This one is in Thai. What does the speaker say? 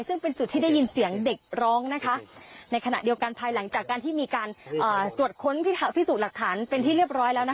ซึ่งเป็นจุดที่ได้ยินเสียงเด็กร้องในขณะเดียวกันภายหลังจากการที่มีการตรวจค้นพิสูจน์หลักฐานเป็นที่เรียบร้อยแล้ว